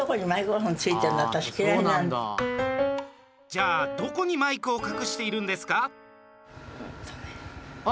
じゃあ、どこにマイクを隠しているんですか？